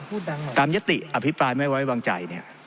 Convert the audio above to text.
พูดดังหน่อยตามยติอภิปรายไม่ไว้วางใจเนี่ย